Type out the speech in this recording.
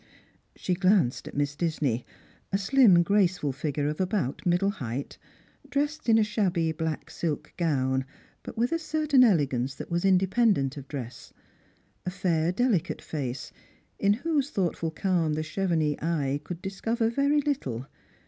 She glanced at Miss Disney, a shm graceful figure of about middle height, dressed in a shabby black silk gown, but with a certain elegance that was independent of dress. A fair delicate face, in whose thoughtful calm the Chevenix eye could discover very little.